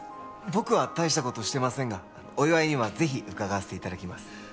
僕は大したことしてませんがお祝いには是非伺わせていただきます